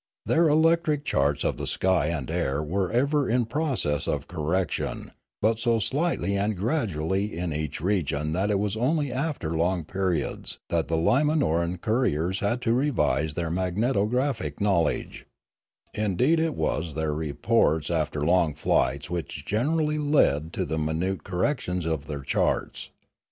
Their electric charts of the sky and air were ever in process of correction, but so slightly and gradually in each region that it was only after long periods that the Li ma nor an couriers had to revise their magnetographic knowledge; indeed it was their reports after long flights which generally led to the minute corrections of their charts.